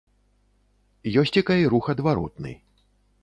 Ёсцека і рух адваротны.